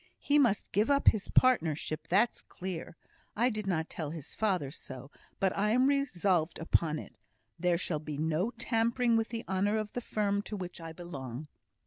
He must give up his partnership, that's clear. I did not tell his father so, but I am resolved upon it. There shall be no tampering with the honour of the firm to which I belong."